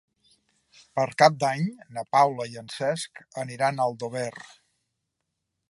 Per Cap d'Any na Paula i en Cesc aniran a Aldover.